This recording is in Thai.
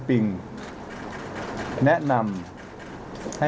พร้อมแล้วเลยค่ะ